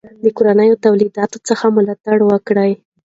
د کورنیو تولیداتو څخه ملاتړ وکړئ.